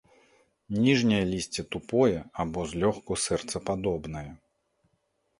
Ніжняе лісце тупое або злёгку сэрцападобнае.